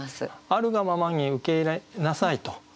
あるがままに受け入れなさいと。